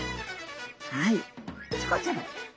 はいチコちゃん。